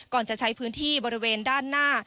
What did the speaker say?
จะใช้พื้นที่บริเวณด้านหน้า